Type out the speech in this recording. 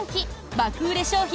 爆売れ商品